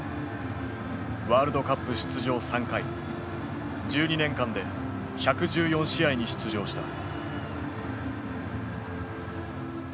ワールドカップ出場３回１２年間で１１４試合に出場した。